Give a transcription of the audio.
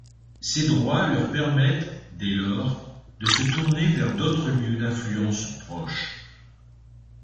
Ces droits leur permettent dès lors de se tourner vers d'autres lieux d'influence proches.